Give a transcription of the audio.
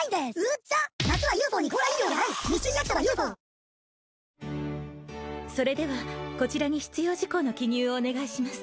転生してよかったかもそれではこちらに必要事項の記入をお願いします